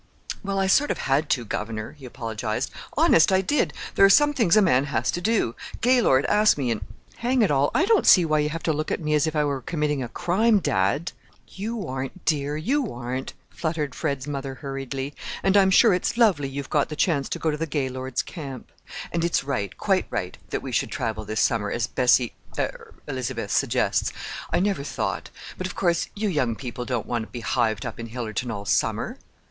"Well, I sort of had to, governor," he apologized. "Honest, I did. There are some things a man has to do! Gaylord asked me, and—Hang it all, I don't see why you have to look at me as if I were committing a crime, dad!" "You aren't, dear, you aren't," fluttered Fred's mother hurriedly; "and I'm sure it's lovely you've got the chance to go to the Gaylords' camp. And it's right, quite right, that we should travel this summer, as Bessie—er—Elizabeth suggests. I never thought; but, of course, you young people don't want to be hived up in Hillerton all summer!"